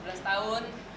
dari zaman dulu